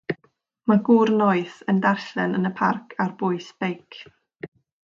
Mae gŵr noeth yn darllen yn y parc ar bwys beic.